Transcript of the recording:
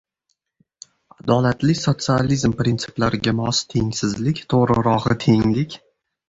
Adolatli sotsializm printsiplariga mos tengsizlik, to‘g‘rirog‘i, tenglik.